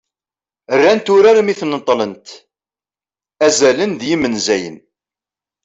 rrant urar mi neṭṭlent "azalen d yimenzayen"